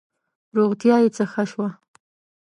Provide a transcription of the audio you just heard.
روغتیا یې څه ښه شوه.